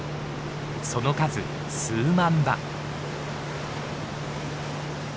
その数数万羽。